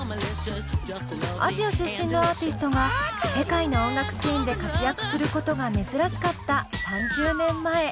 アジア出身のアーティストが世界の音楽シーンで活躍することが珍しかった３０年前。